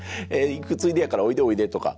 「行くついでやからおいでおいで」とか。